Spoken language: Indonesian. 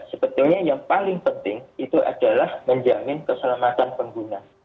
sebetulnya yang paling penting itu adalah menjamin keselamatan pengguna